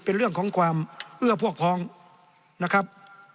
เป็นเรื่องของความเอื้อพวกพ้องนะครับ